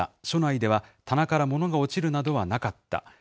署内では棚から物が落ちるなどはなかった。